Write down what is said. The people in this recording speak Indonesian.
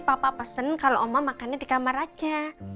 papa pesen kalau oma makannya di kamar aja